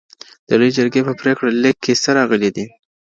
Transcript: د لویې جرګي په پرېکړه لیک کي څه راغلي دي؟